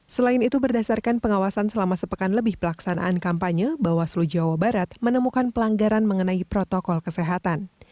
selain itu berdasarkan pengawasan selama sepekan lebih pelaksanaan kampanye bawaslu jawa barat menemukan pelanggaran mengenai protokol kesehatan